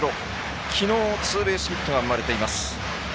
きのうツーベースヒットが生まれています。